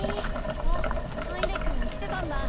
あっ羽稲くん来てたんだ。